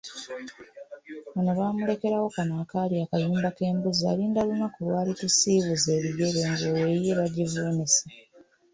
Ono baamulekerawo kano akaali akayumba k'embuzi alinda lunaku lw'alitusiibuza ebigere ng'olwo eyiye bagivuunise.